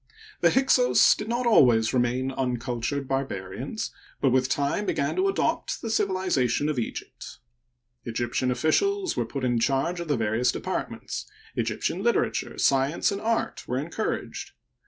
— The Hyksos did not always remain uncultured barbarians, but with time began to adopt the civilization of Eg^pt. Egyptian officials were put in charge of the various departments ; Egyptian liter ature, science, and art were encouraged.